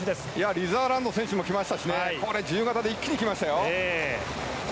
リザーランド選手も自由形で一気に来ましたよ。